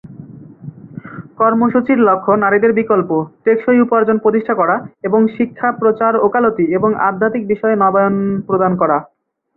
কর্মসূচির লক্ষ্য নারীদের বিকল্প, টেকসই উপার্জন প্রতিষ্ঠা করা এবং শিক্ষা, প্রচার, ওকালতি এবং আধ্যাত্মিক বিষয়ে নবায়ন প্রদান করা।